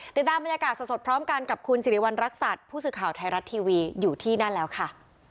ติดตามบรรยากาศสดพร้อมกันกับคุณสิริวัณรักษัตริย์ผู้สื่อข่าวไทยรัฐทีวีอยู่ที่นั่นแล้วค่ะ